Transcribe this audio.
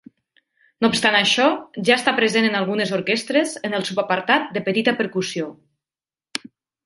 No obstant això, ja està present en algunes orquestres en el subapartat de petita percussió.